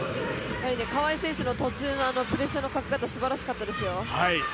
川井選手の途中のプレッシャーのかけ方、すばらしかったですよ。